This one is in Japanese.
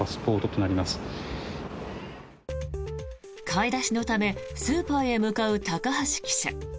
買い出しのためスーパーへ向かう高橋記者。